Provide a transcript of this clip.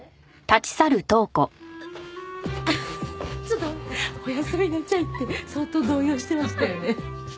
ちょっと「おやすみなちゃい」って相当動揺してましたよね？